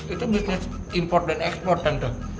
itu bisnis import dan ekspor tentu